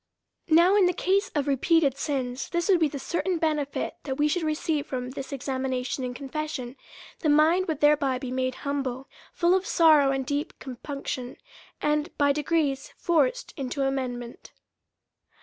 Now in the case of repeated sins, this would be the certain benefit that we should receive from this exam ination and confession ; the mind would thereby be made humble, full of sorrow and deep compunction, and by degrees forced into amendment.